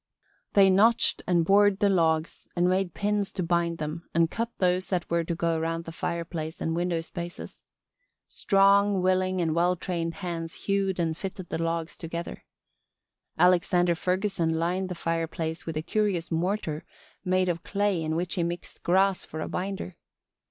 They notched and bored the logs and made pins to bind them and cut those that were to go around the fireplace and window spaces. Strong, willing and well trained hands hewed and fitted the logs together. Alexander Ferguson lined the fireplace with a curious mortar made of clay in which he mixed grass for a binder.